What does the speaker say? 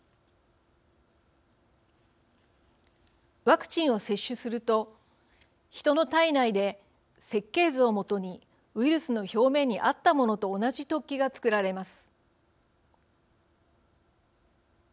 ワクチンを接種すると人の体内で設計図を基に、ウイルスの表面にあったものと同じ突起が作られます。